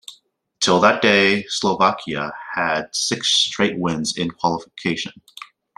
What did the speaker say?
Till that day, Slovakia had six-straight wins in qualification.